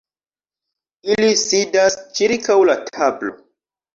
Ili sidas ĉirkaŭ la tablo.